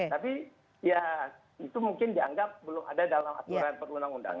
tapi ya itu mungkin dianggap belum ada dalam aturan perundang undangan